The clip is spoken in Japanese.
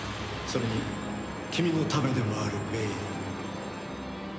それに君のためでもあるベイル。